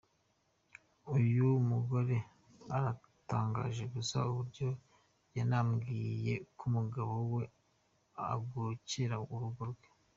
Uyu mugore aratangaje gusa : Uburyo yanambiye ku mugabo we, agokera urugo rwe.